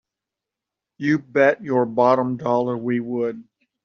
You bet your bottom dollar we would!